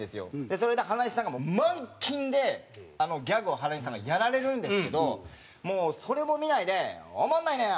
それで原西さんがマンキンでギャグを原西さんがやられるんですけどもうそれも見ないで「おもんないねん！